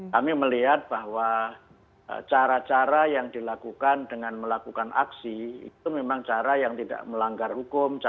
kami melihat bahwa cara cara yang dilakukan dengan melakukan aksi itu memang cara yang tidak melanggar hukum